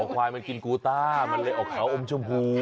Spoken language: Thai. ควายมันกินกูต้ามันเลยออกแถวอมชมพู